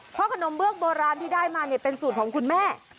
เพราะขนมเบื้องโบราณที่ได้มาเป็นสูตรของคุณแม่